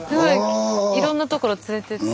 いろんなところ連れてって。